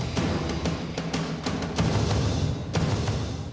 pelaku dan korban diperoleh